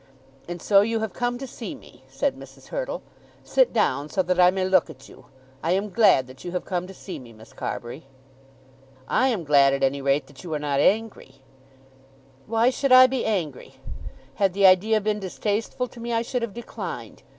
"And so you have come to see me," said Mrs. Hurtle. "Sit down so that I may look at you. I am glad that you have come to see me, Miss Carbury." [Illustration: "Sit down so that I may look at you."] "I am glad at any rate that you are not angry." "Why should I be angry? Had the idea been distasteful to me I should have declined.